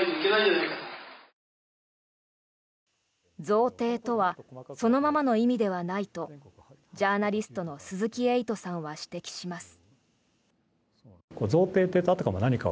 贈呈とはそのままの意味ではないとジャーナリストの鈴木エイトさんは指摘します。